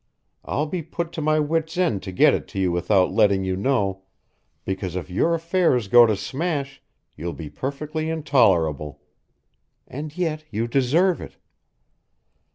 I'll be put to my wit's end to get it to you without letting you know, because if your affairs go to smash, you'll be perfectly intolerable. And yet you deserve it.